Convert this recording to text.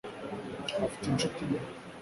afite inshuti nke